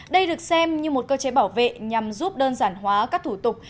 đây được xem như một cơ chế bảo vệ nhằm giúp đơn giản hóa các thủ tục